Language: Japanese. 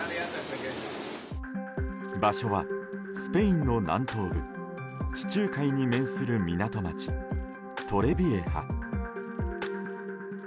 場所はスペインの南東部地中海に面する港町トレビエハ。